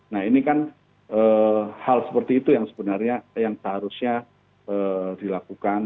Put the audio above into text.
nah ini kan hal seperti itu yang sebenarnya yang seharusnya dilakukan